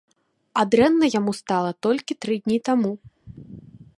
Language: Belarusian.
А дрэнна яму стала толькі тры дні таму.